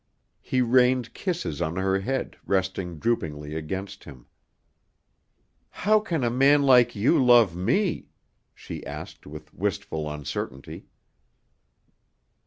He rained kisses on her head resting droopingly against him. "How can a man like you love me?" she asked with wistful uncertainty.